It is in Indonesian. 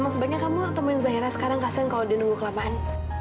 memang sebaiknya kamu temui zahira sekarang kasim kalau dia nunggu kelamaan